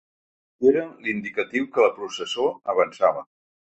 Era l’indicatiu que la processó avançava.